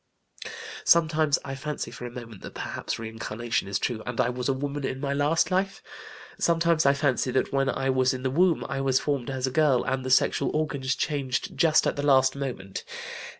Sometimes I fancy for a moment that perhaps reincarnation is true and I was a woman in my last life. Sometimes I fancy that when I was in the womb I was formed as a girl and the sexual organs changed just at the last moment.